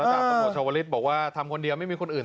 แล้วถ้าประโยชน์ชวริสต์บอกว่าทำคนเดียวไม่มีคนอื่น